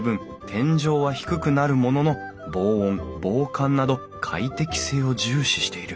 天井は低くなるものの防音防寒など快適性を重視している